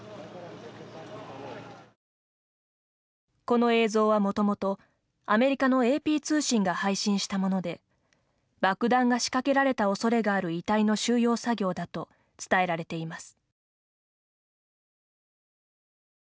この映像は、もともとアメリカのＡＰ通信が配信したもので爆弾が仕掛けられたおそれがある遺体の収容作業だと伝えられています。